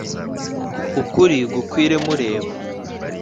ukuri gukwire mureba